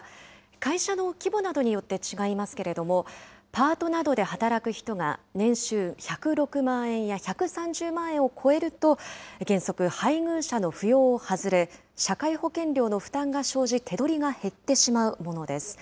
会社の規模などによって違いますけれども、パートなどで働く人が、年収１０６万円や１３０万円を超えると、原則、配偶者の扶養を外れ、社会保険料の負担が生じ、手取りが減ってしまうものです。